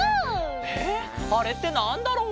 えっあれってなんだろう？